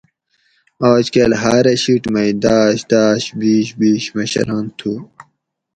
آجکل ہاۤرہ شیٹ مئی داش داش بیش بیش مشران تھو